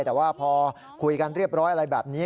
แต่ว่าพอคุยกันเรียบร้อยอะไรแบบนี้